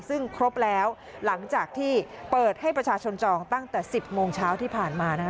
ซึ่งครบแล้วหลังจากที่เปิดให้ประชาชนจองตั้งแต่๑๐โมงเช้าที่ผ่านมานะคะ